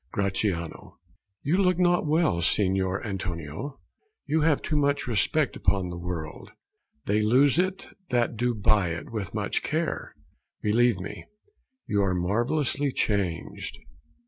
Gra. You look not well, Signior Antonio; You have too much respect upon the world: They lose it that do buy it with much care: Believe me, you are marvelously changed.